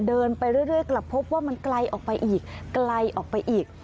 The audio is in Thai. เดินไปเรื่อยกลับพบว่ามันไกลออกไปอีกไกลออกไปอีก